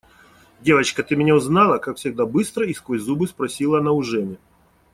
– Девочка, ты меня узнала? – как всегда быстро и сквозь зубы, спросила она у Жени.